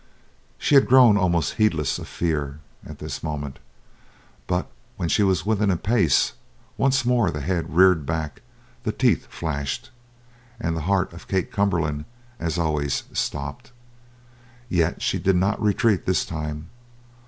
She had grown almost heedless of fear at this moment, but when she was within a pace, once more the head reared back; the teeth flashed. And the heart of Kate Cumberland, as always, stopped. Yet she did not retreat this time.